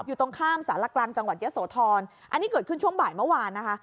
อยู่ตรงข้ามสารกลางจังหวัดเยอะโสธรอันนี้เกิดขึ้นช่วงบ่ายเมื่อวานนะคะ